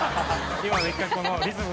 今の１回このリズム。